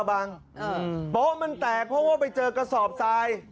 โป๊ะมันแตกเพราะว่าไปเจอกระสอบทราย